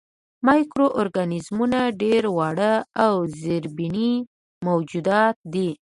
مایکرو ارګانیزمونه ډېر واړه او زرېبيني موجودات دي.